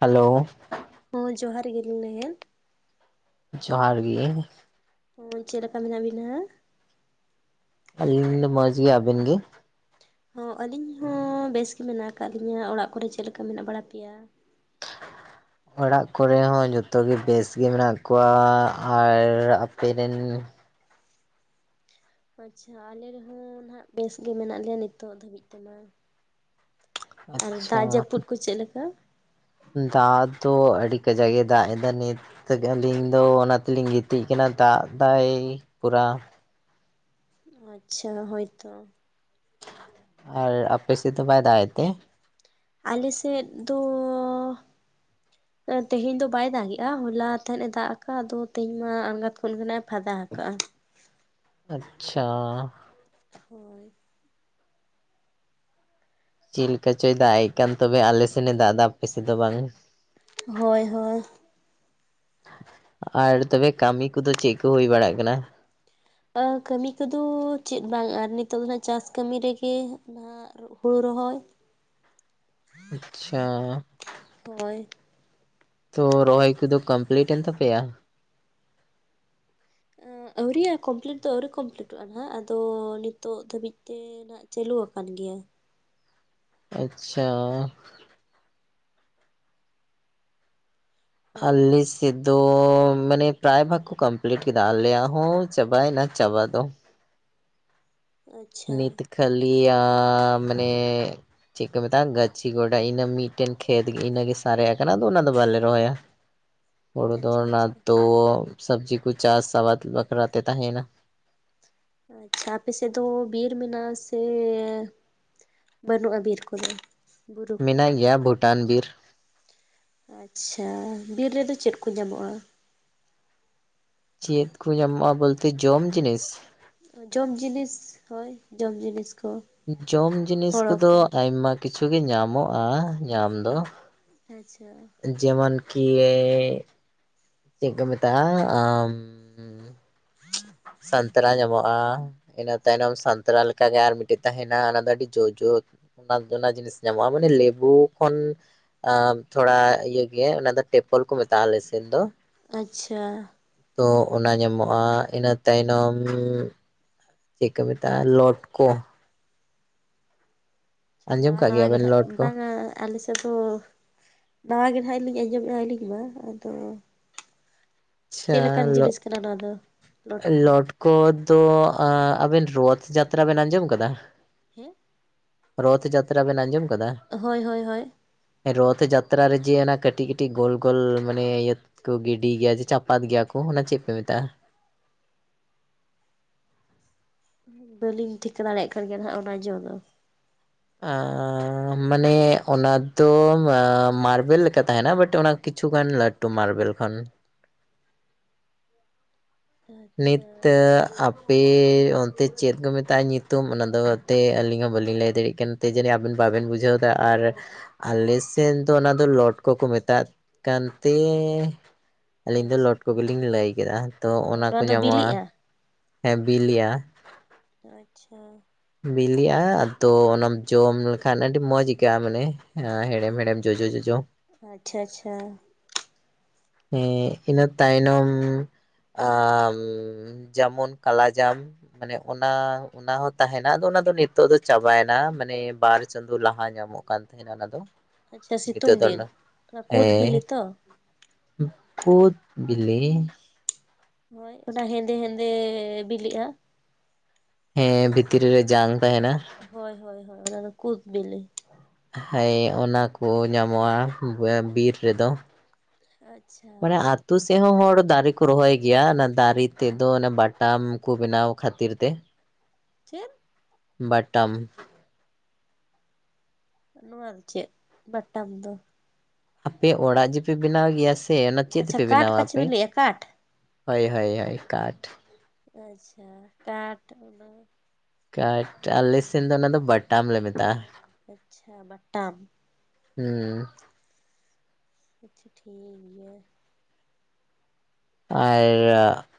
Hello ᱦᱚᱸ ᱡᱚᱦᱟᱨ ᱜᱮ ᱞᱤᱧ ᱞᱟᱹᱭᱟ ᱡᱚᱦᱟᱨ ᱜᱮ ᱚ ᱪᱮᱫ ᱞᱮᱠᱟ ᱢᱮᱱᱟᱜ ᱵᱤᱱᱟ ᱟᱹᱞᱤᱧ ᱫᱚ ᱢᱚᱡᱽ ᱜᱮ ᱟᱵᱮᱱ ᱜᱮ ᱦᱚᱸ ᱟᱹᱞᱤᱧ ᱦᱚᱸ ᱵᱮᱥ ᱜᱮ ᱢᱮᱱᱟᱜ ᱟᱠᱟᱫ ᱞᱤᱧᱟᱹ ᱚᱲᱟᱜ ᱠᱚᱨᱮ ᱪᱮᱫ ᱞᱮᱠᱟ ᱢᱮᱱᱟᱜ ᱵᱟᱲᱟ ᱯᱮᱭᱟ ᱦ [unintelligible] ᱚᱲᱟᱜ ᱠᱚᱨᱮ ᱦᱚᱸ ᱡᱚᱛᱚᱜᱮ ᱵᱮᱥ ᱜᱮ ᱢᱮᱱᱟᱜ ᱠᱚᱣᱟ ᱟᱨ ᱟᱯᱮ ᱨᱮᱱ ᱟᱪᱪᱷᱟ ᱟᱞᱮ ᱨᱮᱦᱚᱸ ᱱᱟᱦᱱᱟᱜ ᱵᱮᱥ ᱜᱮ ᱢᱮᱱᱟᱜ ᱞᱮᱭᱟ ᱱᱤᱛᱚᱜ ᱫᱷᱟᱹᱵᱤᱡ ᱛᱮᱢᱟ ᱟᱨ ᱫᱟᱜ ᱟᱪᱪᱷᱟ ᱡᱟᱹᱯᱩᱫ ᱠᱚ ᱪᱮᱫ ᱞᱮᱠᱟ ᱫᱟᱜ ᱫᱚ ᱟᱹᱰᱤ ᱠᱟᱡᱟᱠᱮᱭ ᱫᱟᱜ ᱮᱫᱟ ᱱᱤᱛ ᱟᱹᱞᱤᱧ ᱫᱚ ᱚᱱᱟ ᱛᱮᱞᱤᱧ ᱜᱤᱛᱤᱡ ᱠᱟᱱᱟ ᱫᱟᱜ ᱫᱟᱭ ᱯᱩᱨᱟ ᱟᱪᱪᱷᱟ ᱦᱳᱭᱛᱚ ᱟᱨ ᱟᱯᱮ ᱥᱮᱫ ᱫᱚ ᱵᱟᱭ ᱫᱟᱜᱮᱫ ᱛᱮ ᱟᱞᱮᱥᱮᱫ ᱫᱚ [unintelligible] ᱛᱮᱦᱮᱧ ᱫᱚ ᱵᱟᱭ ᱫᱟᱜᱮᱜᱼᱟ ᱦᱚᱞᱟ ᱵᱟᱭ ᱮᱫᱮ ᱫᱟᱜ ᱟᱠᱟᱫ-ᱟ ᱟᱫᱚ ᱛᱮᱦᱮᱧ ᱢᱟ ᱟᱸᱲᱜᱟᱷᱟᱛ ᱠᱷᱚᱱ ᱜᱮ ᱮ ᱯᱷᱟᱫᱟ ᱟᱠᱟᱜ-ᱟ ᱟᱪᱪᱷᱟ ᱦᱳᱭ ᱪᱮᱫ ᱞᱮᱠᱟ ᱪᱚᱭ ᱫᱟᱜ ᱮᱜ ᱠᱟᱱ ᱛᱚᱵᱮ ᱟᱞᱮ ᱥᱮᱱᱮ ᱫᱟᱜ ᱮᱫᱟ ᱟᱯᱮᱥᱮᱱ ᱫᱚ ᱵᱟᱝ ᱦᱳᱭ ᱦᱳᱭ ᱟᱨ ᱛᱚᱵᱮ ᱠᱟᱹᱢᱤ ᱠᱚᱫᱚ ᱪᱮᱫ ᱠᱚ ᱦᱩᱭ ᱵᱟᱲᱟᱜ ᱠᱟᱱᱟ ᱟ ᱠᱟᱹᱢᱤ ᱠᱚᱫᱚ ᱪᱮᱫ ᱵᱟᱝ ᱟᱨ ᱱᱤᱛᱚᱜ ᱫᱚ ᱱᱟᱜ ᱪᱟᱹᱥ ᱠᱟᱹᱢᱤ ᱨᱮᱜᱮ ᱦᱩᱲᱩ ᱨᱚᱦᱚᱭ ᱟᱪᱪᱷᱟ ᱦᱳᱭ ᱛᱚ ᱨᱚᱦᱚᱭ ᱠᱚᱫᱚ ᱠᱚᱢᱯᱞᱤᱴ ᱮᱱ ᱛᱟᱯᱮᱭᱟ ᱟᱺ ᱟᱹᱣᱨᱤᱭᱟᱜ ᱠᱚᱢᱯᱞᱤᱴ ᱫᱚ ᱟᱹᱣᱨᱤ ᱠᱚᱢᱯᱞᱤᱴᱚᱜᱼᱟ ᱱᱟᱦᱟᱜ ᱟᱫᱚ ᱱᱤᱛᱚᱜ ᱫᱷᱟᱹᱵᱤᱡ ᱛᱮ ᱪᱟᱹᱞᱩ ᱣᱟᱠᱟᱱ ᱜᱮᱭᱟ ᱟᱪᱪᱷᱟ ᱦᱳᱭ ᱟᱞᱞᱤᱥ ᱥᱮᱫ ᱫᱚ ᱢᱟᱱᱮ ᱯᱨᱟᱭ ᱵᱷᱟᱜᱽ ᱠᱚ ᱠᱚᱢᱯᱞᱤᱴ ᱠᱮᱫᱟ ᱟᱞᱮᱭᱟᱜ ᱦᱚᱸ ᱪᱟᱵᱟᱭᱮᱱᱟ ᱪᱟᱵᱟ ᱫᱚ ᱟᱪᱪᱷᱟ ᱱᱤᱛ ᱠᱷᱟᱹᱞᱤᱭᱟ ᱢᱟᱱᱮ ᱪᱤᱠ ᱠᱚ ᱢᱮᱛᱟᱜ-ᱟ ᱜᱟᱪᱷᱤ ᱜᱚᱰᱟ ᱤᱱᱟ ᱢᱤᱫᱴᱮᱱ ᱠᱷᱮᱛ ᱜᱮ ᱥᱟᱨᱮᱡ ᱟᱠᱟᱱᱟ ᱤᱱᱟᱹ ᱫᱚ ᱵᱟᱞᱮ ᱨᱚᱦᱭᱟ ᱦᱳᱲᱩ ᱫᱚ ᱟᱪᱪᱷᱟ ᱚᱱᱟ ᱟᱪᱪᱷᱟ ᱛᱳᱫ ᱥᱚᱵᱡᱤ ᱠᱚ ᱪᱟᱥ ᱟᱵᱟᱫ ᱵᱟᱠᱷᱨᱟ ᱛᱮ ᱛᱟᱦᱮᱱᱟ ᱟᱪᱪᱷᱟ ᱟᱯᱮ ᱥᱮᱫ ᱫᱚ ᱵᱤᱨ ᱢᱮᱱᱟᱜ-ᱟ ᱥᱮ ᱵᱟᱹᱱᱩᱜᱼᱟ ᱵᱤᱨ ᱠᱚᱫᱚ ᱵᱩᱨᱩ ᱠᱚ ᱢᱮᱱᱟᱜ ᱜᱮᱭᱟ ᱵᱳᱴᱟᱱ ᱵᱤᱨ ᱟᱪᱪᱷᱟ ᱵᱤᱨ ᱨᱮᱫᱚ ᱪᱮᱫ ᱠᱚ ᱧᱟᱢᱚᱜᱼᱟ ᱪᱮᱫ ᱠᱚ ᱧᱟᱢᱚᱜᱼᱟ ᱵᱚᱞᱛᱮ ᱡᱚᱢ ᱡᱤᱱᱤᱥ ᱡᱚᱢ ᱡᱤᱱᱤᱥ ᱦᱳᱭ ᱡᱚᱢ ᱡᱤᱱᱤᱥ ᱠᱚ ᱡᱚᱢ ᱡᱤᱱᱤᱥ ᱦᱳᱲᱳ ᱠᱚᱫᱚ ᱠᱚ ᱟᱭᱢᱟ ᱠᱤᱪᱷᱩ ᱜᱮ ᱧᱟᱢᱚᱜᱼᱟ ᱧᱟᱢ ᱫᱚ ᱟᱪᱪᱷᱟ ᱡᱮᱢᱚᱱ ᱠᱤ ᱪᱮᱫ ᱠᱚ ᱢᱮᱛᱟᱜᱼᱟ ᱟᱢ ᱥᱟᱱᱛᱟᱨᱟ ᱧᱟᱢᱚᱜᱼᱟ ᱤᱱᱟᱹ ᱛᱟᱭᱱᱚᱢ ᱥᱟᱱᱛᱟᱨᱟ ᱞᱮᱠᱟᱜᱮ ᱟᱨ ᱢᱤᱫᱴᱮᱱ ᱛᱟᱦᱮᱱᱟ ᱚᱱᱟ ᱫᱚ ᱟᱹᱰᱤ ᱡᱳ ᱡᱳ ᱟᱵ ᱚᱱᱟ ᱡᱤᱱᱤᱥ ᱧᱟᱢᱚᱜᱼᱟ ᱢᱟᱱᱮ ᱞᱮᱵᱩ ᱠᱷᱚᱱ ᱟᱵ ᱛᱷᱚᱲᱟ ᱤᱭᱟᱹ ᱜᱮᱭᱟ ᱚᱱᱟ ᱫᱚ ᱴᱮᱯᱚᱞ ᱠᱚ ᱢᱮᱛᱟᱜ ᱟᱞᱮᱥᱮᱫ ᱫᱚ ᱟᱪᱪᱷᱟ ᱛᱚ ᱚᱱᱟ ᱧᱟᱢᱚᱜᱼᱟ ᱤᱱᱟᱹ ᱛᱟᱭᱱᱚᱢ ᱪᱮᱫ ᱠᱚ ᱢᱮᱛᱟᱜᱼᱟ ᱞᱚᱴᱠᱚ ᱟᱸᱡᱚᱢ ᱱᱟᱣᱟ ᱠᱟᱜ ᱱᱟᱣᱟ ᱜᱮᱭᱟᱵᱮᱱ ᱜᱮᱰᱷᱟᱜ ᱞᱚᱴᱠᱚ ᱵᱟᱝ ᱟ ᱟᱞᱮᱥᱮᱫ ᱫᱚ ᱱᱟᱣᱟ ᱜᱮ ᱱᱟᱦᱟᱜ ᱞᱤᱧ ᱟᱸᱡᱚᱢᱮᱜᱼᱟ ᱟᱹᱞᱤᱧ ᱢᱟ ᱟᱫᱚ ᱟᱪᱪᱷᱟ ᱪᱮᱫ ᱞᱮᱠᱟᱱ ᱡᱤᱱᱤᱥ ᱠᱟᱱᱟ ᱱᱚᱣᱟ ᱫᱚ ᱞᱚᱴ ᱠᱚᱫᱚ? ᱞᱚᱴᱠᱚ ᱫᱚ ᱟᱸ ᱟᱵᱮᱱ ᱨᱳᱛᱷ ᱡᱟᱛᱨᱟ ᱵᱮᱱ ᱟᱸᱡᱚᱢ ᱠᱟᱫᱟ ᱦᱮᱸ ᱨᱚᱛᱷ ᱡᱟᱛᱨᱟ ᱵᱮᱱ ᱟᱸᱡᱚᱢ ᱠᱟᱫᱟ ᱦᱳᱭ ᱦᱳᱭ ᱦᱳᱭ ᱨᱚᱛᱷ ᱡᱟᱛᱨᱟ ᱨᱮ ᱡᱮ ᱚᱱᱟ ᱠᱟᱹᱴᱤᱡ ᱠᱟᱹᱴᱤᱡ ᱜᱳᱞ ᱜᱳᱞ ᱢᱟᱱᱮ ᱤᱭᱟᱹ ᱠᱚ ᱜᱤᱰᱤ ᱜᱮᱭᱟ ᱡᱮ ᱪᱟᱯᱟᱫ ᱜᱮᱭᱟ ᱠᱚ ᱚᱱᱟ ᱪᱮᱫ ᱯᱮ ᱢᱮᱛᱟᱜ-ᱟ ᱵᱟᱹᱞᱤᱧ ᱴᱷᱤᱠᱟᱹ ᱫᱟᱲᱮᱭᱟᱜ ᱠᱟᱱ ᱜᱮᱭᱟ ᱱᱟᱦᱟᱜ ᱚᱱᱟ ᱡᱚ ᱫᱚ ᱟᱸ ᱢᱟᱱᱮ ᱚᱱᱟ ᱫᱚ ᱟᱻ ᱢᱟᱨᱵᱮᱞ ᱞᱮᱠᱟ ᱛᱟᱦᱮᱱᱟ ᱵᱟᱴ ᱚᱱᱟ ᱠᱤᱪᱷᱩᱜᱟᱱ ᱞᱟᱹᱴ ᱴᱩ ᱢᱟᱨᱵᱮᱞ ᱠᱷᱚᱱ ᱟᱪᱪᱷᱟ ᱱᱤᱛᱛᱮ ᱟᱯ ᱯᱮ ᱚᱱᱛᱮ ᱪᱮᱫ ᱠᱚ ᱢᱮᱛᱟᱜ-ᱟ ᱧᱩᱛᱩᱢ ᱚᱱᱟᱫᱚ ᱮᱛᱮ ᱟᱹᱞᱤᱧ ᱦᱚᱸ ᱵᱟᱹᱞᱤᱧ ᱞᱟᱹᱭ ᱫᱟᱲᱮᱭᱟᱜ ᱠᱟᱱ ᱛᱮ ᱡᱟᱹᱱᱤᱡ ᱟᱵᱤᱱ ᱵᱟᱵᱤᱱ ᱵᱩᱡᱷᱟᱹᱣ ᱫᱟ ᱟᱨ ᱟᱞᱮ ᱥᱮᱫ ᱫᱚ ᱚᱱᱟ ᱫᱚ ᱞᱚᱰ ᱠᱚ ᱠᱚ ᱢᱮᱛᱟᱜ ᱠᱟᱱᱛᱮ ᱟᱞᱤᱧ ᱫᱚ ᱟᱪᱪᱷᱟ ᱞᱚᱰ ᱠᱚ ᱜᱮᱞᱤᱧ ᱞᱟᱹᱭ ᱠᱮᱫᱟ ᱛᱚ ᱦᱳᱭ ᱚᱱᱟ ᱠᱚ ᱱᱚᱣᱟ ᱫᱚ ᱧᱟᱢᱚᱜ-ᱟ ᱵᱤᱞᱤᱜᱼᱟ? ᱦᱮᱸ ᱵᱤᱞᱤᱭᱟ ᱟᱪᱪᱷᱟ ᱵᱤᱞᱤᱜ-ᱟ ᱟᱫᱚ ᱚᱱᱟᱢ ᱡᱚᱢ ᱞᱮᱠᱷᱟᱱ ᱟᱹᱰᱤ ᱢᱚᱸᱡᱽ ᱟᱹᱭᱠᱟᱹᱜ-ᱟ ᱢᱟᱱᱮ ᱦᱮᱲᱮᱢ ᱦᱮᱲᱮᱢ ᱡᱚᱡᱚ ᱡᱚᱡᱚ ᱟᱪᱪᱷᱟ ᱟᱪᱪᱷᱟ ᱦᱮᱸ ᱤᱱᱟᱹ ᱛᱟᱭᱱᱚᱢ ᱟ ᱡᱮᱢᱚᱱ ᱠᱟᱞᱟᱡᱟᱢ ᱢᱟᱱᱮ ᱚᱱᱟ ᱚᱱᱟ ᱦᱚᱸ ᱛᱟᱦᱮᱱᱟ ᱟᱫᱚ ᱚᱱᱟ ᱫᱚ ᱱᱤᱛᱚᱜ ᱫᱚ ᱪᱟᱵᱟᱭᱱᱟ ᱢᱟᱱᱮ ᱵᱟᱨ ᱪᱟᱸᱫᱳ ᱞᱟᱦᱟ ᱧᱟᱢᱚᱜ ᱠᱟᱱ ᱛᱟᱦᱮᱱᱟ ᱚᱱᱟ ᱫᱚ ᱟᱪᱪᱷᱟ ᱱᱤᱛᱚᱜ ᱥᱤᱛᱩᱝ ᱫᱚ ᱫᱤᱱ ᱢᱮᱱᱟ ᱚᱱᱟ ᱠᱩᱫ ᱦᱮᱸ ᱵᱤᱞᱤ ᱛᱚ? ᱠᱩᱫ ᱵᱤᱞᱤ ᱦᱳᱭ ᱚᱱᱟ ᱦᱮᱸᱫᱮ ᱦᱮᱸᱫᱮ ᱵᱤᱞᱤᱜ-ᱟ ᱦᱮᱸ ᱵᱷᱤᱛᱨᱤ ᱨᱮ ᱡᱟᱝ ᱛᱟᱦᱮᱸᱱᱟ ᱦᱳᱭ ᱦᱳᱭ ᱦᱳᱭ ᱚᱱᱟ ᱫᱚ ᱠᱩᱫᱽ ᱵᱤᱞᱤ ᱦᱩᱭᱸ ᱚᱱᱟ ᱠᱚ ᱧᱟᱢᱚᱜ-ᱟ ᱵᱤᱨ ᱨᱮᱫᱚ ᱟᱪᱪᱷᱟ ᱢᱟᱱᱮ ᱩᱫ ᱟᱹᱛᱩ ᱥᱮ ᱛᱮᱦᱚᱸ ᱦᱚᱲ ᱫᱟᱨᱮ ᱠᱚ ᱨᱚᱦᱚᱭ ᱜᱮᱭᱟ ᱚᱱᱟ ᱫᱟᱨᱮ ᱛᱮᱫᱚ ᱚᱱᱟ ᱵᱟᱴᱟᱢ ᱠᱚ ᱵᱮᱱᱟᱣ ᱠᱷᱟᱹᱛᱤᱨ ᱛᱮ ᱻ ᱪᱮᱫ ᱵᱟᱴᱟᱢ ᱱᱚᱣᱟ ᱫᱚ ᱪᱮᱫ ᱵᱟᱴᱟᱢ ᱫᱚ ᱟᱯᱮ ᱚᱲᱟᱜ ᱡᱮᱯᱮ ᱵᱮᱱᱟᱣ ᱜᱮᱭᱟ ᱥᱮ ᱚᱱᱟ ᱪᱮᱫ ᱟᱪᱪᱷᱟ ᱛᱮᱯᱮ ᱠᱟᱴ ᱵᱮᱱᱟᱣᱟ ᱯᱟᱪᱮ ᱟᱯᱮ ᱵᱤᱱ ᱞᱟᱹᱭᱮᱜᱼᱟ ᱠᱟᱴ? ᱦᱳᱭ ᱦᱳᱭ ᱦᱳᱭ ᱠᱟᱴ ᱟᱪᱪᱷᱟ ᱠᱟᱴ ᱠᱟᱴ ᱟᱞᱮ ᱥᱮᱱ ᱫᱚ ᱚᱱᱟ ᱫᱚ ᱵᱟᱴᱟᱢ ᱞᱮ ᱢᱮᱛᱟᱜ-ᱟ ᱟᱪᱪᱷᱟ ᱵᱟᱴᱟᱢ ᱦᱩᱸ ᱟᱪᱪᱷᱟ ᱴᱷᱤᱠ ᱜᱮᱭᱟ ᱟᱨᱻ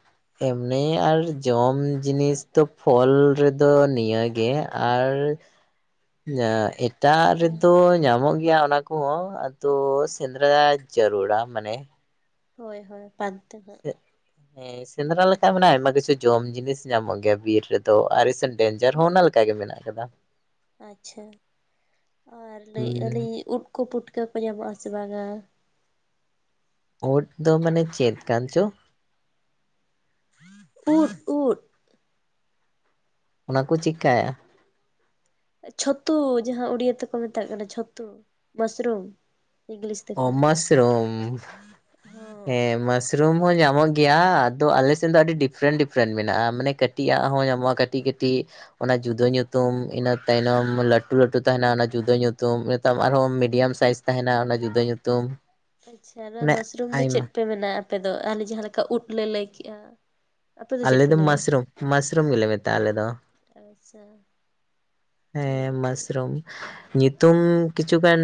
ᱮᱢᱱᱤ ᱟᱨ ᱡᱚᱢ ᱡᱤᱱᱤᱥ ᱫᱚ ᱯᱷᱚᱞ ᱨᱮᱫᱚ ᱱᱤᱭᱟᱹᱜᱮ ᱟᱨ ᱮᱠ ᱮᱴᱟᱜ ᱟᱨ ᱨᱮᱫᱚ ᱧᱟᱢᱚᱜ ᱜᱮᱭᱟ ᱚᱱᱟ ᱠᱚᱦᱚᱸ ᱟᱫᱚ ᱥᱮᱸᱫᱽᱨᱟ ᱡᱟᱹᱨᱩᱲᱟ ᱢᱟᱱᱮ ᱦᱳᱭ ᱦᱳᱭ ᱯᱟᱱᱛᱮ ᱱᱟᱜ ᱥᱮᱫ ᱦᱮ ᱦᱮᱸ ᱥᱮᱸᱫᱽᱨᱟ ᱞᱮᱠᱷᱟᱡ ᱫᱚ ᱟᱭᱢᱟ ᱠᱤᱪᱷᱩ ᱡᱚᱢ ᱡᱤᱱᱤᱥ ᱧᱟᱢᱚᱜ ᱜᱮᱭᱟ ᱵᱤᱨ ᱨᱮᱫᱚ ᱟᱨ ᱤᱥ ᱰᱮᱧᱡᱟᱨ ᱦᱚᱸ ᱚᱱᱟ ᱞᱮᱠᱟ ᱜᱮ ᱢᱮᱱᱟᱜ ᱟᱠᱟᱫᱟ ᱻ ᱟᱪᱪᱷᱟ ᱟᱨ ᱞᱟᱹᱭᱮᱫ ᱟᱹᱞᱤᱧ ᱩᱫ ᱠᱚ ᱯᱩᱴᱠᱟᱹ ᱠᱚ ᱧᱟᱢᱚᱜ ᱟ ᱥᱮ ᱵᱟᱝᱟ ᱩᱫ ᱫᱚ ᱢᱟᱱᱮ ᱪᱮᱫ ᱠᱟᱱ ᱪᱚ ᱩᱫ ᱩᱫ ᱚᱱᱟ ᱠᱩ ᱪᱤᱜᱠᱟ ᱪᱷᱟᱹᱛᱩ ᱡᱟᱦᱟᱸ ᱩᱲᱤᱭᱟᱹ ᱛᱮᱠᱚ ᱢᱮᱛᱟᱜ ᱠᱟᱱᱟ ᱪᱷᱟᱹᱛᱩ ᱢᱟᱥᱨᱩᱢ᱾ ᱤᱝᱞᱤᱥ ᱛᱮᱠᱚ ᱚ ᱢᱟᱥᱨᱩᱢ ᱦᱚᱸ ᱦᱮᱸ ᱢᱟᱥ ᱨᱩᱢ ᱦᱚᱸ ᱧᱟᱢᱚᱜ ᱜᱮᱭᱟ ᱟᱫᱚ ᱟᱞᱮ ᱥᱮᱱ ᱫᱚ ᱟᱹᱰᱤ ᱰᱤᱯᱷᱨᱮᱱ-ᱰᱤᱯᱷᱨᱮᱸᱱ ᱢᱮᱱᱟᱜᱼᱟ ᱢᱟᱱᱮ ᱠᱟᱹᱴᱤᱡ ᱟᱜ ᱦᱚᱸ ᱧᱟᱢᱚᱜᱼᱟ ᱠᱟᱹᱴᱤᱡ-ᱠᱟᱹᱴᱤᱡ᱾ ᱚᱱᱟ ᱡᱩᱫᱟᱹ ᱧᱩᱛᱩᱢ ᱤᱱᱟᱹ ᱛᱟᱭᱱᱚᱢ ᱞᱟᱹᱴᱩ ᱞᱟᱹᱴᱩ ᱛᱟᱦᱮᱱᱟ ᱚᱱᱟ ᱡᱩᱫᱟᱹ ᱧᱩᱛᱩᱢ ᱤᱱᱟᱹ ᱛᱟᱭᱚᱢ ᱟᱨᱦᱚᱸ ᱢᱤᱰᱤᱭᱟᱢ ᱥᱟᱭᱤᱡᱽ ᱛᱟᱦᱮᱱᱟ ᱚᱱᱟ ᱡᱩᱫᱟᱹ ᱧᱩᱛᱩᱢ᱾ ᱟᱪᱪᱷᱟ ᱱᱚᱣᱟ ᱢᱟᱱᱮ ᱢᱟᱥᱨᱩᱢ ᱫᱚ ᱪᱮᱫ ᱟᱭᱢᱟ ᱯᱮ ᱢᱮᱱᱟ ᱟᱯᱮ ᱫᱚ ᱟᱞᱮ ᱡᱟᱦᱟᱸ ᱞᱮᱠᱟ ᱩᱫ ᱞᱮ ᱞᱟᱹᱭ ᱠᱮᱜᱼᱟ᱾ ᱟᱯᱮ ᱪᱮᱫ ᱟᱞᱮ ᱯᱮ ᱫᱚ ᱞᱟᱹᱭᱟ ᱢᱟᱥᱨᱩᱢ ᱢᱟᱥᱨᱩᱢ ᱜᱮᱞᱮ ᱢᱮᱛᱟᱜᱼᱟ ᱟᱞᱮ ᱫᱚ᱾ ᱛᱟᱵᱟᱪᱪᱷᱟ᱾ ᱦᱮᱸ ᱢᱟᱥᱨᱩᱢ᱾ ᱧᱩᱛᱩᱢ ᱠᱤᱪᱷᱩᱜᱟᱱ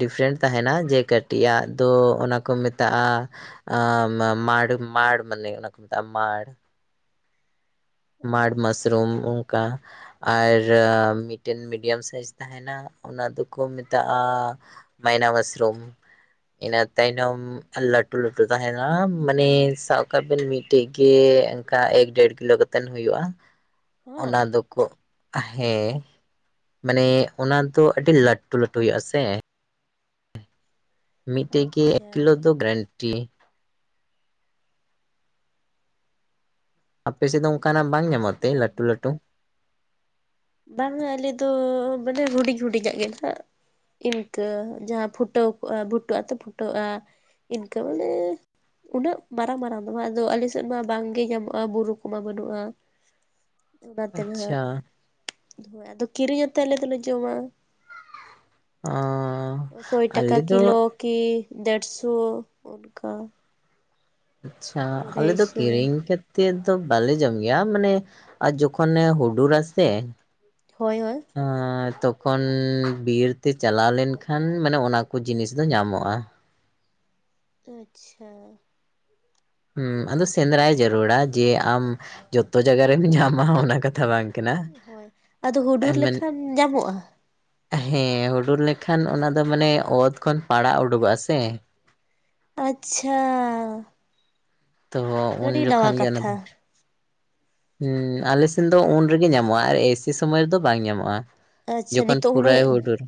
ᱰᱤᱯᱷᱨᱮᱱᱴ ᱛᱟᱦᱮᱸᱱᱟ ᱡᱮ ᱠᱟᱹᱴᱤᱡ ᱟᱜ ᱫᱚ ᱚᱱᱟ ᱠᱚ ᱢᱮ ᱛᱟᱜᱼᱟ ᱟᱸᱻ ᱢᱟ-ᱢᱟᱲᱤ ᱢᱟᱲ ᱢᱟᱱᱮ ᱚᱱᱟ ᱠᱚ ᱢᱮᱛᱟᱜᱼᱟ ᱢᱟᱲ᱾ ᱢᱟᱲ ᱟᱪᱪᱷᱟ ᱢᱟᱥᱨᱩᱢ ᱚᱱᱠᱟ ᱟᱨ ᱢᱤᱫᱴᱮᱱ ᱢᱤᱰᱤᱭᱟᱢ ᱥᱟᱭᱤᱡᱽ ᱛᱟ ᱦᱮᱸᱱᱟ ᱚᱱᱟ ᱫᱚᱠᱚ ᱢᱮᱛᱟᱜᱼᱟ ᱢᱟᱭᱱᱟ ᱢᱟᱥᱨᱚᱢ᱾ ᱤᱱᱟᱹ ᱛᱟᱭᱱᱚᱢ ᱞᱟᱹᱴᱩ-ᱞᱟᱹᱴᱩ ᱛᱟᱦᱮᱱᱟ ᱢᱟᱱᱮ ᱥᱟᱵ ᱠᱟᱜ ᱵᱮᱱ ᱢᱤᱫᱴᱮᱡ ᱜᱮ᱾ ᱚᱱᱠᱟ ᱮᱠ ᱰᱮᱲ ᱠᱤᱞᱳ ᱠᱟᱛᱮᱱ ᱦᱩᱭᱩᱜᱼᱟ ᱦᱚᱸ ᱚᱱᱟ ᱫᱚᱠᱚ ᱦᱮᱸ᱾ ᱢᱟᱱᱮ ᱚᱱᱟ ᱫᱚ ᱟᱹᱰᱤ ᱞᱟᱹᱴᱩ-ᱞᱟᱹᱴᱩ ᱦᱩᱭᱩᱜᱼᱟ ᱥᱮ᱾ ᱢᱤᱫᱴᱮᱡ ᱜᱮ ᱮᱠ ᱟᱪᱪᱷᱟ ᱠᱤᱞᱳ ᱫᱚ ᱜᱨᱮᱱᱴᱤ᱾ ᱟᱯᱮᱥᱮᱫ ᱫᱚ ᱚᱱᱠᱟᱱᱟᱜ ᱵᱟᱝ ᱧᱟᱢᱚᱜ ᱛᱮ ᱚ ᱞᱟᱹᱴᱩ ᱦᱚᱸ ᱞᱟᱹᱴᱩ᱾ ᱵᱟᱝᱟ ᱟᱞᱮ ᱫᱚ ᱢᱟᱱᱮ ᱦᱩᱰᱤᱧᱼᱦᱩᱰᱤᱧ ᱟᱜ ᱜᱮ ᱱᱟᱦᱟᱜ᱾ ᱤᱱᱠᱟᱹ ᱡᱟᱦᱟᱸ ᱯᱷᱩᱴᱟᱹᱣ ᱠᱚᱜᱼᱟ ᱵᱷᱩᱴᱟᱹᱜ ᱟᱛᱮ ᱯᱷᱩᱴᱟᱹᱜᱼᱟ ᱤᱱᱠᱟᱹ ᱢᱟᱱᱮ ᱩᱱᱟᱹᱜ ᱢᱟᱨᱟᱝ ᱢᱟᱨᱟᱝ ᱫᱚ ᱵᱟᱝ ᱟᱫᱚ ᱟᱞᱮ ᱥᱮᱫ ᱢᱟ ᱵᱟᱝ ᱜᱮ ᱧᱟᱢᱚᱜᱼᱟ ᱵᱩᱨᱩ ᱠᱚᱢᱟ ᱵᱟᱹᱱᱩᱜ-ᱟ᱾ [inaudible] ᱚᱱᱟᱛᱮ ᱱᱟᱦᱟᱜ ᱟᱪᱪᱷᱟ ᱦᱳ ᱟᱫᱚ ᱠᱤᱨᱤᱧ ᱟᱛᱮ ᱟᱞᱮ ᱫᱚᱞᱮ ᱡᱚᱢᱟ᱾ ᱚᱸᱻ ᱥᱚᱭ ᱴᱟᱠᱟ ᱟᱞᱮ ᱫᱚ ᱠᱤᱞᱳ ᱠᱤ ᱰᱮᱲᱥᱚ ᱚᱱᱠᱟ᱾ ᱟᱪᱪᱷᱟ ᱟᱞᱮ ᱫᱚ ᱟᱹᱲᱟᱹᱭᱥᱚ ᱠᱤᱨᱤᱧ ᱛᱮ ᱛᱮᱫ ᱫᱚ ᱵᱟᱞᱮ ᱡᱚᱢ ᱜᱮᱭᱟ ᱢᱟᱱᱮ ᱟᱨ ᱡᱚᱠᱷᱚᱱᱮ ᱦᱩᱰᱩᱨ ᱟᱥᱮ ᱦᱳᱭ ᱦᱳᱭ᱾ ᱦᱚᱸ ᱛᱚᱠᱷᱚᱱ ᱵᱤᱨ ᱛᱮ ᱪᱟᱞᱟᱣ ᱞᱮᱱ ᱠᱷᱟᱱ ᱢᱟᱱᱮ ᱚᱱᱟ ᱠᱚ ᱡᱤᱱᱤᱥ ᱫᱚ ᱧᱟᱢᱚᱜᱼᱟ᱾ ᱚ ᱟᱪᱪᱷᱟ᱾ ᱦᱩᱸ ᱟᱫᱚ ᱥᱮᱸᱫᱽᱨᱟᱭ ᱡᱟᱨᱩᱲᱟ ᱡᱮ ᱟᱢ ᱡᱚᱛᱚ ᱡᱟᱭᱜᱟ ᱨᱮᱢ ᱧᱟᱢᱟ ᱚᱱᱟ ᱠᱟᱛᱷᱟ ᱵᱟᱝ ᱠᱟᱱᱟ ᱦᱳᱭ ᱟᱫᱚ ᱦᱩᱰᱩᱨ ᱢᱮᱱ ᱞᱮᱠᱷᱟᱱ ᱧᱟᱢᱚᱜ-ᱟ᱾ ᱦᱮᱸ ᱦᱩᱰᱩᱨ ᱞᱮᱠᱷᱟᱱ ᱚᱱᱟ ᱫᱚ ᱢᱟᱱᱮ ᱚᱛ ᱠᱷᱚᱱ ᱯᱟᱲᱟᱜ ᱩᱰᱩᱠᱚᱜᱼᱟ ᱥᱮ᱾ ᱟᱪᱪᱷᱟ᱾ ᱛᱚ ᱩᱱ ᱟᱹᱰᱤ ᱱᱟᱣᱟ ᱡᱚᱠᱷᱚᱱ ᱜᱮ ᱚᱱᱟ ᱠᱟᱛᱷᱟ ᱫᱚ᱾ ᱦᱩᱸ ᱟᱞᱮ ᱥᱮᱱ ᱫᱚ ᱩᱱ ᱨᱮᱜᱮ ᱧᱟᱢᱚᱜ-ᱟ ᱟᱨ ᱮᱥᱤ ᱥᱚᱢᱚᱭ ᱨᱮᱫᱚ ᱵᱟᱝ ᱧᱟᱢᱚᱜ-ᱟ᱾ ᱟᱪᱪᱷᱟ ᱡᱚᱠᱷᱚᱱ ᱱᱤᱛᱚᱜ ᱯᱩᱨᱟᱭ ᱦᱩᱱᱟᱹᱜ ᱦᱩᱰᱩᱨᱟ᱾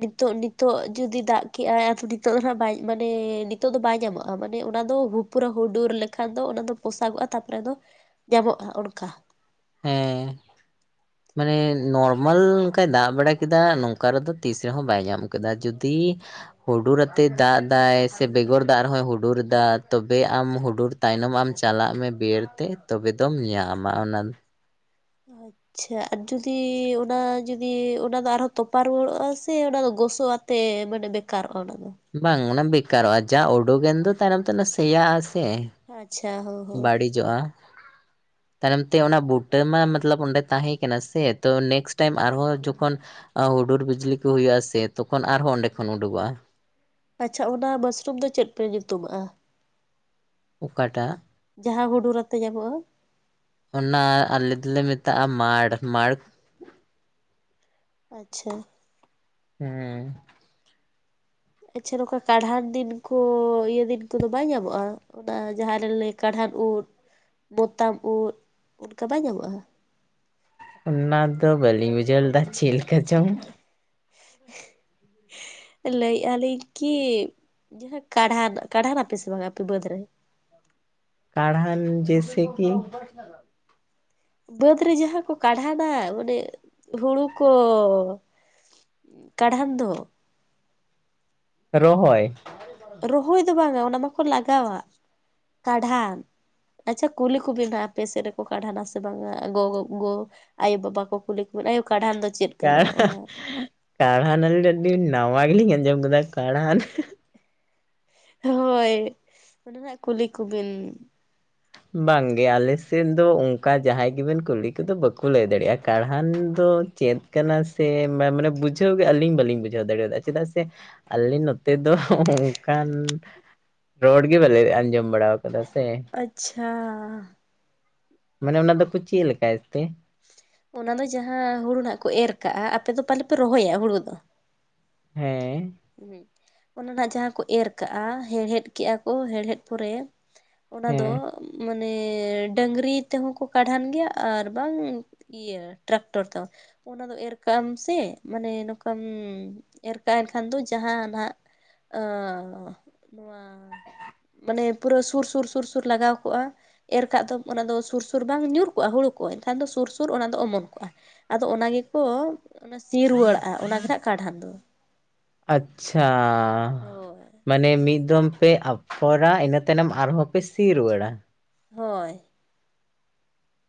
ᱱᱤᱛᱚᱜ ᱱᱤᱛᱚᱜ ᱡᱩᱫᱤ ᱫᱟᱜ ᱠᱮᱜᱼᱟᱭ ᱡᱩᱫᱤ ᱛᱟᱣ ᱨᱮᱦᱚ ᱵᱟᱭ ᱢᱟᱱᱮ ᱱᱤᱛᱚᱜ ᱫᱚ ᱵᱟᱭ ᱧᱟᱢᱚᱜ-ᱟ ᱢᱟᱱᱮ ᱚᱱᱟ ᱫᱚ ᱦᱩ ᱯᱩᱨᱟᱹ ᱦᱩᱰᱩᱨ ᱞᱮᱠᱷᱟᱱ ᱫᱚ ᱚᱱᱟ ᱫᱚ ᱯᱚᱥᱟᱜᱚᱜᱼᱟ ᱛᱟᱯᱚᱨᱮ ᱫᱚ ᱧᱟᱢᱚᱜᱼᱟ ᱚᱱᱠᱟ᱾ ᱦᱮᱸ᱾ ᱢᱟᱱᱮ ᱱᱚᱨᱢᱟᱞ ᱚᱱᱠᱟᱭ ᱫᱟᱜ ᱵᱟᱲᱟ ᱠᱮᱫᱟ ᱱᱚᱝᱠᱟ ᱨᱮᱫᱚ ᱛᱤᱥ ᱨᱮᱦᱚᱸ ᱵᱟᱭ ᱧᱟᱢ ᱠᱮᱫᱟ, ᱡᱩᱫᱤ ᱦᱩᱰᱩᱨ ᱟᱛᱮ ᱫᱟᱜ ᱫᱟᱭ ᱥᱮ ᱵᱮᱜᱚᱨ ᱫᱟᱜ ᱨᱮᱦᱚᱸᱭ ᱦᱩᱰᱩᱨ ᱮᱫᱟ ᱛᱚᱵᱮ ᱟᱢ ᱦᱩᱰᱩᱨ ᱛᱟᱭᱱᱚᱢ ᱟᱢ ᱪᱟᱞᱟᱜ ᱢᱮ ᱵᱮᱨ ᱛᱮ ᱛᱚᱵᱮ ᱫᱚᱢ ᱧᱟᱢᱟ ᱚᱱᱟ᱾ ᱦᱳᱭ᱾ ᱪᱷᱟ ᱟ ᱡᱩᱫᱤ ᱚᱱᱟ ᱡᱩᱫᱤ ᱚᱱᱟ ᱫᱚ ᱟᱨᱦᱚᱸ ᱛᱚᱯᱟ ᱨᱩᱣᱟᱹᱲᱚᱜᱼᱟ ᱥᱮ ᱚᱱᱟ ᱫᱚ ᱜᱚᱥᱚᱜᱼᱟ? ᱛᱮ ᱢᱟᱱᱮ ᱵᱮᱠᱟᱨᱚᱜ ᱚᱱᱟ ᱫᱚ᱾ ᱵᱟᱝ ᱚᱱᱟ ᱵᱮᱠᱟᱨᱚᱜᱼᱟ ᱡᱟ ᱚᱰᱳᱜ ᱮᱱ ᱫᱚ ᱛᱟᱭᱚᱢ ᱛᱮ ᱥᱮᱭᱟ ᱟᱥᱮ᱾ ᱟᱪᱪᱷᱟ ᱦᱳ ᱦᱳ᱾ ᱡᱚᱜᱼᱟ᱾ ᱛᱟᱭᱱᱚᱢ ᱛᱮ ᱚᱱᱟ ᱵᱩᱴᱟᱹ ᱢᱟ ᱢᱚᱛᱞᱚᱵ ᱚᱸᱰᱮ ᱛᱟᱦᱮᱸ ᱠᱟᱱᱟ ᱥᱮ ᱛᱮ ᱱᱮᱠᱥ ᱴᱟᱭᱤᱢ ᱟᱨᱦᱚᱸ ᱡᱚᱠᱷᱚᱱ ᱦᱩᱰᱩᱨ ᱵᱤᱡᱽᱞᱤ ᱠᱚ ᱦᱩᱭᱩᱜ-ᱟ ᱥᱮ ᱛᱚᱠᱷᱚᱱ ᱟᱨᱦᱚᱸ ᱚᱸᱰᱮ ᱠᱷᱚᱱ ᱩᱰᱩᱠᱚᱜ-ᱟ ᱟᱪᱪᱷᱟ ᱚᱱᱟ ᱢᱟᱥᱨᱩᱢ ᱫᱚ ᱪᱮᱫ ᱯᱮ ᱧᱩᱛᱩᱢ ᱟᱜ-ᱟ ᱚᱠᱟᱴᱟᱜ ᱡᱟᱦᱟᱸ ᱦᱩᱰᱩᱨ ᱟᱛᱮ ᱧᱟᱢᱚᱜ-ᱟ ᱚᱱᱟ ᱟᱞᱮ ᱫᱚᱞᱮ ᱢᱮᱛᱟᱜ-ᱟ ᱢᱟᱲ ᱢᱟᱲ ᱟᱪᱪᱷᱟ ᱦᱮᱸ ᱟᱪᱪᱷᱟ ᱱᱚᱝᱠᱟ ᱠᱟᱬᱦᱟᱱ ᱫᱤᱱ ᱠᱚ ᱤᱭᱟᱹ ᱫᱤᱱ ᱠᱚᱫᱚ ᱵᱟᱭ ᱧᱟᱢᱚᱜ-ᱟ ᱚᱱᱟ ᱡᱟᱦᱟᱸᱨᱮ ᱞᱟᱹᱭ ᱠᱟᱬᱦᱟᱱ ᱩᱫ ᱢᱚᱛᱟᱢ ᱩᱫ ᱚᱱᱠᱟ ᱵᱟᱭ ᱧᱟᱢᱚᱜ-ᱟ ᱚᱱᱟ ᱫᱚ ᱵᱟᱹᱞᱤᱧ ᱵᱩᱡᱷᱟᱹᱣ ᱞᱮᱫᱟ ᱪᱮᱫ ᱞᱮᱠᱟ ᱪᱚᱝ ᱞᱟᱹᱭᱮᱫ-ᱟ ᱞᱤᱧ ᱠᱤ ᱡᱟᱦᱟᱸ ᱠᱟᱬᱦᱟᱱ ᱠᱟᱬᱦᱟᱱ ᱟᱯᱮ ᱥᱮ ᱵᱟᱝ ᱟᱯᱮ ᱵᱟᱹᱫᱽ ᱨᱮ ᱠᱟᱬᱦᱟᱱ ᱡᱮᱥᱮ ᱠᱤ ᱦ [unintelligible] ᱵᱟᱹᱫᱽ ᱨᱮ ᱡᱟᱦᱟᱸ ᱠᱚ ᱠᱟᱬᱦᱟᱱᱟ ᱢᱟᱱᱮ ᱦᱩᱲᱩ ᱠᱚ ᱠᱟᱬᱦᱟᱱ ᱫᱚ ᱨᱚᱦᱚᱭ ᱨᱚᱦᱚᱭ ᱫᱚ ᱵᱟᱝᱟ ᱚᱱᱟ ᱢᱟᱠᱚ ᱞᱟᱜᱟᱣᱟ ᱠᱟᱬᱦᱟᱱ ᱟᱪᱪᱷᱟ ᱠᱩᱞᱤ ᱠᱚᱵᱤᱱ ᱦᱟᱜ ᱟᱯᱮ ᱥᱮᱫ ᱨᱮᱠᱚ ᱠᱟᱬᱦᱟᱱᱟ ᱥᱮ ᱵᱟᱝᱟ ᱜᱚᱜᱚ ᱟᱭᱳ-ᱵᱟᱵᱟ ᱠᱚ ᱠᱩᱞᱤ ᱠᱚ ᱢᱮ ᱟᱭᱳ ᱠᱟᱬᱦᱟᱱ ᱫᱚ ᱪᱮᱫ ᱠᱟᱱᱟ ᱚᱱᱟ ᱠᱟᱲᱦᱟ ᱨᱟᱨᱤ ᱨᱮ ᱱᱟᱣᱟ ᱜᱤᱞᱤᱧ ᱟᱡᱚᱢ ᱜᱚᱫᱟ ᱠᱟᱲᱦᱟᱱ ᱦᱳᱭ ᱚᱱᱟ ᱦᱟᱜ ᱠᱩᱞᱤ ᱠᱚᱵᱤᱱ ᱵᱟᱝ ᱜᱮ ᱟᱞᱮ ᱥᱮᱫ ᱫᱚ ᱚᱱᱠᱟ ᱡᱟᱦᱟᱸᱭ ᱜᱮᱵᱮᱱ ᱠᱩᱞᱤ ᱠᱚᱫᱚ ᱵᱟᱠᱚ ᱞᱟᱹᱭ ᱫᱟᱲᱮᱭᱟᱜᱼᱟ ᱠᱟᱬᱦᱟᱱ ᱫᱚ ᱪᱮᱫ ᱠᱟᱱᱟ ᱥᱮ [unintelligible] ᱵᱩᱡᱷᱟᱹᱣ ᱜᱮ ᱟᱹᱞᱤᱧ ᱵᱟᱹᱞᱤᱧ ᱵᱩᱡᱷᱟᱹᱣ ᱫᱟᱲᱮᱭᱟᱫ-ᱟ ᱪᱮᱫᱟᱜ ᱥᱮ ᱟᱞᱮ ᱱᱚᱛᱮ ᱫᱚ ᱚᱱᱠᱟᱱ ᱨᱚᱲ ᱜᱮ ᱵᱟᱞᱮ ᱟᱸᱡᱚᱢ ᱵᱟᱲᱟ ᱠᱟᱫᱟ ᱥᱮ ᱟᱪᱪᱷᱟ ᱢᱟᱱᱮ ᱚᱱᱟ ᱫᱚᱠᱚ ᱪᱮᱫ ᱞᱮᱠᱟᱭ ᱮᱫ ᱛᱮ ᱚᱱᱟ ᱫᱚ ᱡᱟᱦᱟᱸ ᱦᱩᱲᱩ ᱱᱟᱸᱜ ᱠᱚ ᱮᱨ ᱠᱟᱜᱼᱟ ᱟᱯᱮ ᱫᱚ ᱯᱟᱞᱮ ᱯᱮ ᱨᱚᱦᱚᱭ-ᱟ ᱦᱩᱲᱩ ᱫᱚ ᱦᱮᱸ ᱚᱱᱟ ᱱᱟ ᱡᱟᱦᱟᱸ ᱠᱚ ᱮᱨ ᱠᱟᱜᱼᱟ ᱦᱮᱲᱦᱮᱫ ᱠᱮᱜᱼᱟ ᱠᱚ ᱦᱮᱲᱦᱮᱫ ᱯᱚᱨᱮ ᱚᱱᱟ ᱫᱚ ᱦᱮᱸ ᱢᱟᱱᱮ ᱰᱟᱺᱝᱨᱤ ᱛᱮᱦᱚᱸ ᱠᱚ ᱠᱟᱰᱷᱟᱱ ᱜᱮᱭᱟ ᱟᱨ ᱵᱟᱝ ᱤᱭᱟᱹ ᱴᱨᱟᱠᱴᱚᱨ ᱛᱮ ᱦᱚᱸ ᱚᱱᱟ ᱫᱚ ᱮᱨ ᱠᱟᱜ ᱟᱢ ᱥᱮ ᱢᱟᱱᱮ ᱱᱚᱝᱠᱟᱢ ᱮᱨ ᱠᱟᱜ ᱠᱷᱟᱱ ᱫᱚ ᱡᱟᱦᱟ ᱱᱟᱜ [inaudible] [unintelligible] [inaudible] ᱢᱟᱱᱮ ᱯᱩᱨᱟᱹ ᱥᱩᱨ ᱥᱩᱨ ᱥᱩᱨ ᱥᱩᱨ ᱞᱟᱜᱟᱣ ᱠᱚᱜᱼᱟ ᱮᱨ ᱠᱟᱜ ᱫᱚᱢ ᱚᱱᱟ ᱫᱚ ᱥᱩᱨ ᱥᱩᱨ ᱵᱟᱝ ᱧᱩᱨ ᱠᱚᱜᱼᱟ ᱦᱩᱲᱩ ᱠᱚ ᱮᱱ ᱠᱷᱟᱱ ᱫᱚ ᱥᱩᱨ ᱥᱩᱨ ᱚᱱᱟ ᱫᱚ ᱚᱢᱚᱱ ᱠᱚᱜᱼᱟ ᱟᱫᱚ ᱚᱱᱟ ᱜᱮᱠᱚ ᱥᱤ ᱨᱩᱣᱟᱹᱲᱟᱜᱼᱟ ᱚᱱᱟ ᱜᱮ ᱦᱟᱸᱜ ᱠᱟᱰᱦᱟᱱ ᱫᱚ ᱟᱪᱪᱷᱟ ᱦᱳᱭ ᱢᱟᱱᱮ ᱢᱤᱫ ᱫᱚᱢ ᱯᱮ ᱟᱯᱷᱚᱨᱟ ᱤᱱᱟᱹ ᱛᱟᱭᱱᱚᱢ ᱟᱨᱦᱚᱸ ᱯᱮ ᱥᱤ ᱨᱩᱣᱟᱹᱲ-ᱟ ᱦᱳᱭ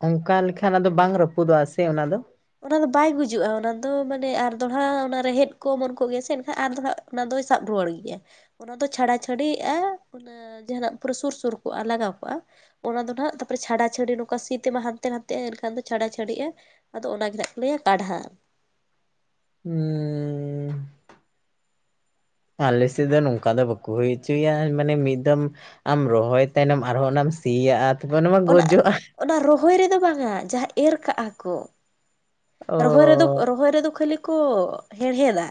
ᱚᱱᱠᱟ ᱞᱮᱠᱷᱟᱱ ᱟᱫᱚ ᱵᱟᱝ ᱨᱟᱹᱯᱩᱫᱚᱜ-ᱟ ᱥᱮ ᱚᱱᱟᱫᱚ ᱚᱱᱟ ᱫᱚ ᱵᱟᱭ ᱜᱩᱡᱩᱜᱼᱟ ᱚᱱᱟ ᱫᱚ ᱢᱟᱱᱮ ᱟᱨ ᱫᱚᱲᱦᱟ ᱚᱱᱟ ᱨᱮᱦᱮᱫ ᱠᱚ ᱚᱢᱚᱱ ᱠᱚᱜ ᱜᱮᱭᱟ ᱥᱮ ᱮᱱᱠᱷᱟᱱ ᱟᱨ ᱫᱚ ᱚᱱᱟ ᱫᱚᱭ ᱥᱟᱵ ᱨᱩᱣᱟᱹᱲ ᱜᱮᱭᱟ ᱚᱱᱟ ᱫᱚ ᱪᱷᱟᱲᱟ ᱪᱷᱟᱹᱰᱤᱜᱼᱟ ᱡᱟᱦᱟ ᱱᱟᱜ ᱯᱩᱨᱟᱹ ᱥᱩᱨ ᱥᱩᱨ ᱠᱚᱜᱼᱟ ᱞᱟᱜᱟᱣ ᱠᱚᱜᱼᱟ ᱚᱱᱟ ᱫᱚ ᱱᱟᱸᱜ ᱛᱟᱨᱯᱚᱨ ᱪᱷᱟᱰᱟ ᱪᱷᱟᱹᱰᱤ ᱱᱚᱝᱠᱟ ᱥᱤ ᱛᱮᱢᱟ ᱦᱟᱱᱛᱮ ᱱᱟᱛᱮᱼᱟ ᱮᱱᱠᱷᱟᱱ ᱫᱚ ᱪᱷᱟᱰᱟ ᱪᱷᱟᱹᱰᱤᱜᱼᱟ ᱟᱫᱚ ᱚᱱᱟᱜᱮ ᱱᱟᱸᱜ ᱠᱚ ᱞᱟᱹᱭ-ᱟ ᱠᱟᱲᱦᱟᱱ ᱩᱸ ᱟᱞᱮ ᱥᱮᱫ ᱫᱚ ᱱᱚᱝᱠᱟ ᱫᱚ ᱵᱟᱠᱚ ᱦᱩᱭ ᱦᱚᱪᱚᱭ-ᱟ ᱢᱟᱱᱮ ᱢᱤᱫ ᱫᱚᱢ ᱟᱢ ᱨᱚᱦᱚᱭ ᱛᱟᱭᱱᱚᱢ ᱟᱨᱦᱚᱸ ᱚᱱᱟᱢ ᱥᱤᱭᱟᱜ-ᱟ ᱛᱚᱵᱮ ᱚᱱᱟ ᱢᱟ ᱜᱚᱡᱚᱜ-ᱟ ᱚᱱᱟ ᱨᱚᱦᱚᱭ ᱨᱮᱫᱚ ᱵᱟᱝᱟ ᱡᱟᱦᱟᱸ ᱮᱨ ᱠᱟᱜ-ᱟ ᱠᱚ ᱨᱚᱦᱚᱭ ᱨᱮᱫᱚ ᱚ ᱨᱚᱦᱚᱭ ᱨᱮᱫᱚ ᱠᱷᱟᱹᱞᱤ ᱠᱚ ᱦᱮᱲᱦᱮᱫ ᱫᱟ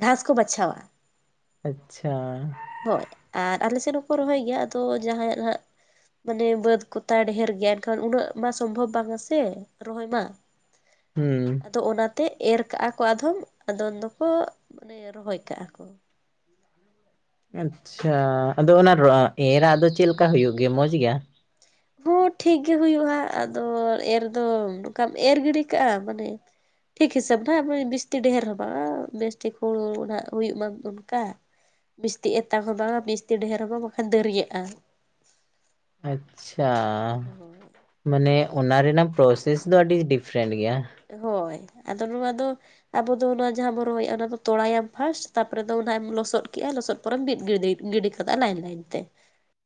ᱜᱷᱟᱸᱥ ᱠᱚ ᱵᱟᱪᱷᱟᱣ-ᱟ ᱟᱪᱪᱷᱟ ᱦᱳᱭ ᱟᱨ ᱟᱞᱮ ᱥᱮᱫ ᱦᱚᱸᱠᱚ ᱨᱚᱦᱚᱭ ᱜᱮᱭᱟ ᱟᱫᱚ ᱡᱟᱦᱟᱸᱭ ᱟᱜ ᱦᱟᱸᱜ ᱢᱟᱱᱮ ᱵᱟᱹᱫ ᱠᱚᱛᱟᱭ ᱰᱷᱮᱨ ᱜᱮᱭᱟ ᱮᱱᱠᱷᱟᱱ ᱩᱱᱟᱹᱜ ᱢᱟ ᱥᱚᱢᱵᱷᱚᱵ ᱵᱟᱝ ᱟᱥᱮ ᱨᱚᱦᱚᱭ ᱢᱟ ᱦᱩᱸ ᱟᱫᱚ ᱚᱱᱟ ᱛᱮ ᱮᱨ ᱠᱟᱜ-ᱟ ᱠᱚ ᱟᱫᱷᱚᱢ ᱟᱫᱚᱱ ᱫᱚᱠᱚ ᱢᱟᱱᱮ ᱨᱚᱦᱚᱭ ᱠᱟᱜ-ᱟ ᱠᱚ ᱟᱪᱪᱷᱟ ᱟᱫᱚ ᱚᱱᱟ ᱮᱨᱟᱜ ᱫᱚ ᱪᱮᱫ ᱞᱮᱠᱟ ᱦᱩᱭᱩᱜ ᱜᱮᱭᱟ ᱢᱚᱸᱡᱽ ᱜᱮ ᱦᱚᱸ ᱴᱷᱤᱠ ᱜᱮ ᱦᱩᱭᱩᱜ-ᱟ ᱟᱫᱚ ᱮᱨ ᱫᱚ ᱱᱚᱝᱠᱟᱢ ᱮᱨ ᱜᱤᱰᱤ ᱠᱟᱜ-ᱟ ᱢᱟᱱᱮ ᱴᱷᱤᱠ ᱦᱤᱥᱟᱹᱵᱽ [unintelligible] ᱵᱮᱥ ᱴᱷᱤᱠ ᱚᱲᱟᱜ ᱦᱳᱭᱳᱜ ᱢᱟ ᱫᱚᱨᱠᱟ ᱢᱤᱥᱛᱤ ᱮᱛᱟᱝ ᱦᱚᱸ ᱵᱟᱝᱟ ᱢᱤᱥᱛᱤ ᱰᱷᱮᱨ ᱦᱚᱸ ᱵᱟᱝ ᱵᱟᱠᱷᱟᱱ ᱫᱟᱹᱨᱭᱟᱹᱜ-ᱟ ᱟᱪᱪᱷᱟ ᱦᱳᱭ ᱢᱟᱱᱮ ᱚᱱᱟ ᱨᱮᱱᱟᱜ ᱯᱨᱚᱥᱮᱥ ᱫᱚ ᱟᱹᱰᱤ ᱰᱤᱯᱷᱮᱨᱮᱱᱴ ᱜᱮᱭᱟ ᱦᱳᱭ ᱟᱫᱚ ᱱᱚᱣᱟ ᱫᱚ ᱟᱵᱚ ᱫᱚ ᱚᱱᱟ ᱡᱟᱦᱟᱸ ᱵᱚᱱ ᱨᱚᱦᱚᱭ ᱮᱜ-ᱟ ᱚᱱᱟ ᱫᱚ ᱛᱚᱲᱟᱭ ᱟᱢ ᱯᱷᱟᱥᱴ ᱛᱟᱨ ᱯᱚᱨᱮ ᱫᱚ ᱦᱟᱸᱜ ᱮᱢ ᱞᱚᱥᱚᱫ ᱠᱮᱜ-ᱟ ᱞᱚᱥᱚᱫ ᱠᱮᱫ ᱯᱚᱨᱮᱢ ᱵᱤᱫ ᱜᱤᱰᱤ ᱜᱤᱰᱤ ᱠᱟᱫᱟ ᱞᱟᱭᱤᱱ ᱞᱟᱭᱤᱱ ᱛᱮ